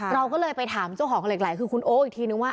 เราก็เลยไปถามเจ้าของเหล็กไหลคือคุณโอ๊คอีกทีนึงว่า